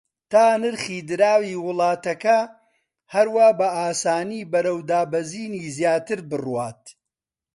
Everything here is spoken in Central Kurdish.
تا نرخی دراوی وڵاتەکە هەروا بە ئاسانی بەرەو دابەزینی زیاتر بڕوات